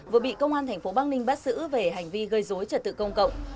vừa bị công an tp bắc ninh bắt xử về hành vi gây dối trật tự công cộng